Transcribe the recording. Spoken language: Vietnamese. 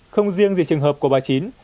không riêng gì trường hợp của bà chín